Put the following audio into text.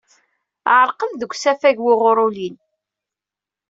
Ɛerqen deg usafag wuɣur ulin.